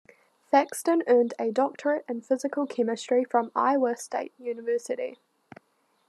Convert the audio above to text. Thaxton earned a doctorate in physical chemistry from Iowa State University.